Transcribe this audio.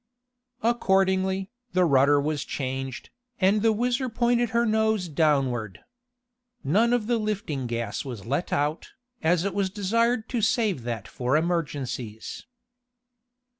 Accordingly, the rudder was changed, and the WHIZZER pointed her nose downward. None of the lifting gas was let out, as it was desired to save that for emergencies.